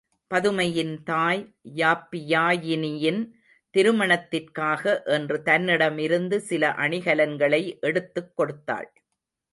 பதுமையின் தாய், யாப்பியாயினியின் திருமணத்திற்காக என்று தன்னிடமிருந்து சில அணிகலன்களை எடுத்துக் கொடுத்தாள்.